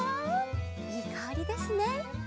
いいかおりですね。